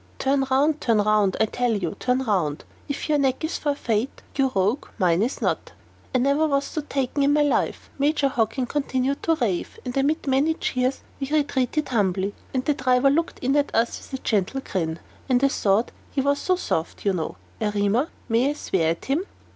"Turn round! turn round, I tell you! turn round! If your neck is forfeit, you rogue, mine is not. I never was so taken in in my life!" Major Hockin continued to rave, and amid many jeers we retreated humbly, and the driver looked in at us with a gentle grin. "And I thought he was so soft, you know! Erema, may I swear at him?"